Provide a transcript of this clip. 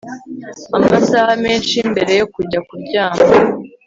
amasaha menshi mbere yo kujya kuryama